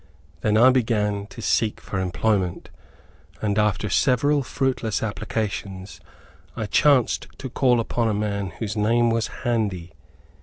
Then I began to seek for employment, and after several fruitless applications I chanced to call upon a man whose name was Handy.